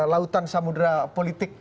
lautan samudera politik